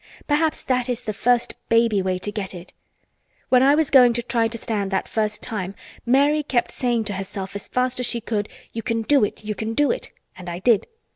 Perhaps that is the first baby way to get it. When I was going to try to stand that first time Mary kept saying to herself as fast as she could, 'You can do it! You can do it!' and I did.